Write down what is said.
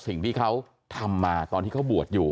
สิ่งที่เขาทำมาตอนที่เขาบวชอยู่